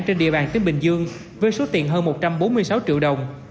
trên địa bàn tỉnh bình dương với số tiền hơn một trăm bốn mươi sáu triệu đồng